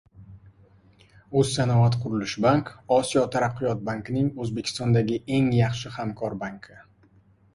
O‘zsanoatqurilishbank — Osiyo taraqqiyot bankining O‘zbekistondagi eng yaxshi hamkor banki